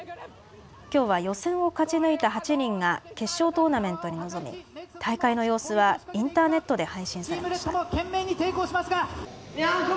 きょうは予選を勝ち抜いた８人が決勝トーナメントに臨み大会の様子はインターネットで配信されました。